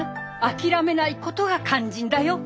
諦めない事が肝心だよ。